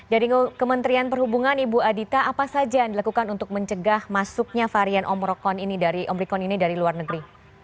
dari kementerian perhubungan ibu adhita apa saja yang dilakukan untuk mencegah masuknya varian omrokon ini dari luar negeri